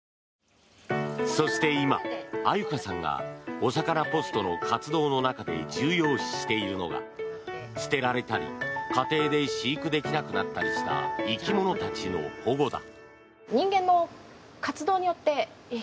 そして今、愛柚香さんがおさかなポストの活動の中で重要視しているのが捨てられたり家庭で飼育できなくなったりした生き物たちの保護だ。